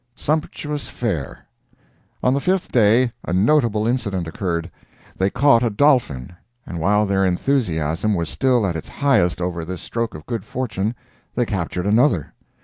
SUMPTUOUS FARE On the fifth day a notable incident occurred. They caught a dolphin! and while their enthusiasm was still at its highest over this stroke of good fortune, they captured another.